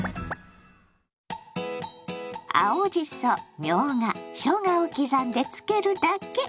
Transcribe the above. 青じそみょうがしょうがを刻んでつけるだけ！